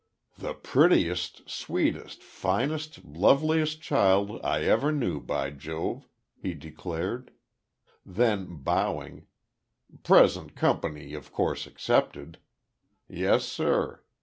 "The prettiest, sweetest, finest, loveliest child I ever knew, by Jove," he declared; then, bowing, "present company, of course, excepted.... Yes, sir.